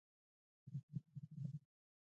نرمه ژبه څه کوي؟